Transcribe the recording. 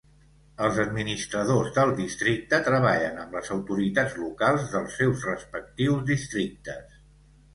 Els administradors del districte treballen amb les autoritats locals dels seus respectius districtes.